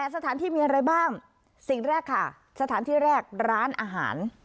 สถานที่มีอะไรบ้างสิ่งแรกค่ะสถานที่แรกร้านอาหาร